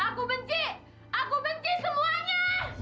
aku benci aku benci semuanya